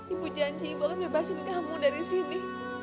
ibu janji ibu akan bebasin kamu dari sini